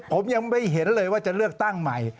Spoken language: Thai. ผมยังไม่เห็นเลยว่าจะเลือกตั้งใหม่